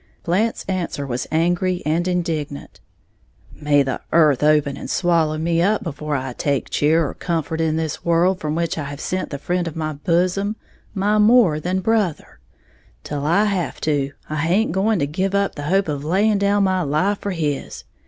Blant's answer was angry and indignant. "May the earth open and swallow me before I take cheer or comfort in this world from which I have sent the friend of my bosom, my more than brother! Till I have to, I haint going to give up the hope of laying down my life for his.